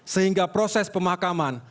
sehingga proses pemakaman